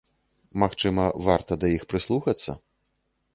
Магчыма, варта да іх прыслухацца?